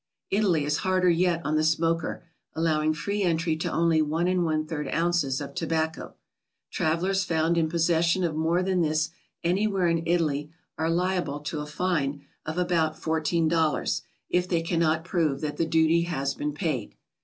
Italy is harder yet on the simoker, allowing free entry to only I 1 3 oz. of toibacco. Travelers found in possession of more than this anywhere in Italy are liable to a fine of about GOING ABROAD? 198 $14 if they cannot prove that the duty has 'been paid.